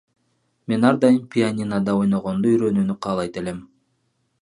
Мен ар дайым пианинодо ойногонду үйрөнүүнү каалайт элем.